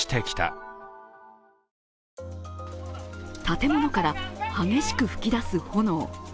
建物から激しく噴き出す炎。